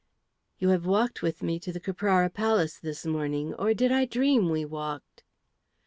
"You have walked with me to the Caprara Palace this morning. Or did I dream we walked?"